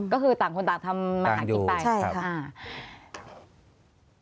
ก็คือต่างคนต่างทำอาหารอีกไปใช่ค่ะต่างอยู่